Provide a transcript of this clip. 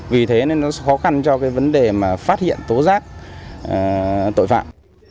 vì thế nên nó khó khăn cho vấn đề phát hiện tố giác tội phạm